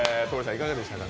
いかがでしたか。